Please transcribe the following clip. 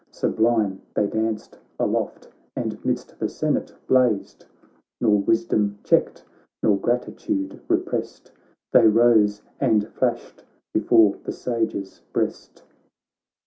Sublime they danced aloft, and midst the Senate blazed ; Nor wisdom checked, nor gratitude re prest. They rose, and flashed before the Sage's breast.